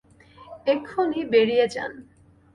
এক্ষুনি বেরিয়ে যান!